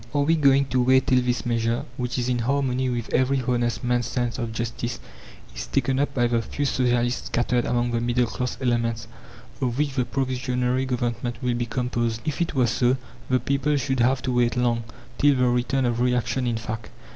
Are we going to wait till this measure, which is in harmony with every honest man's sense of justice, is taken up by the few socialists scattered among the middle class elements, of which the Provisionary Government will be composed? If it were so, the people should have to wait long till the return of reaction, in fact!